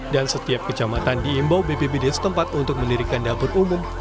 dan setiap kecamatan diimbau bpbd setempat untuk menirikan dapur umum